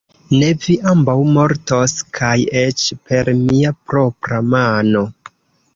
Ne! vi ambaŭ mortos kaj eĉ per mia propra mano.